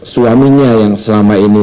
suaminya yang selama ini